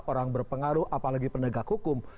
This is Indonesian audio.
orang berpengaruh apalagi penegak hukum